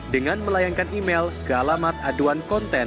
dengan melayangkan email ke alamat aduan konten